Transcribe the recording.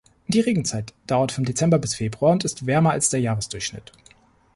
Die Regenzeit dauert von Dezember bis Februar und ist wärmer als der Jahresdurchschnitt.